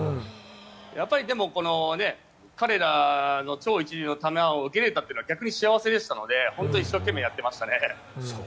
やっぱり、彼らの超一流の球を受けられたというのは逆に幸せでしたので本当に一生懸命やってましたね。